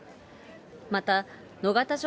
また野方署